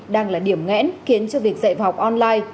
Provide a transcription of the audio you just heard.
đang là điểm ngẽn khiến cho việc dạy vào học online